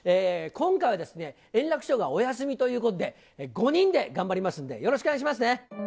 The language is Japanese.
今回はですね、円楽師匠がお休みということで、５人で頑張りますんで、よろしくお願いしますね。